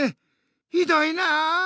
ひどいなあ！